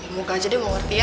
muka aja deh mau ngerti ya